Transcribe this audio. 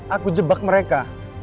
aku jebak mereka